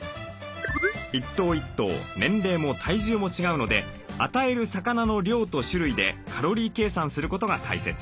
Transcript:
１頭１頭年齢も体重も違うので与える魚の量と種類でカロリー計算することが大切。